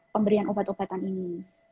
pemberian obat obatan ini